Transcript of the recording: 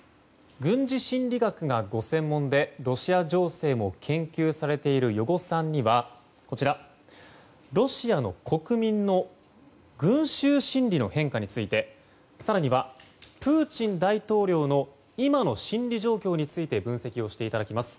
軍事心理学がご専門でロシア情勢も研究されている余語さんにはロシアの国民の群集心理の変化について更には、プーチン大統領の今の心理状況について分析をしていただきます。